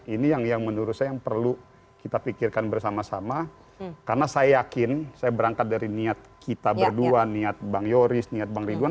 ini yang menurut saya yang perlu kita pikirkan bersama sama karena saya yakin saya berangkat dari niat kita berdua niat bang yoris niat bang ridwan